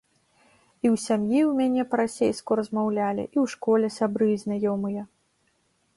І ў сям'і ў мяне па-расейску размаўлялі, і ў школе сябры і знаёмыя.